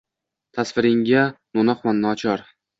Tasviringga no’noqman, nochor…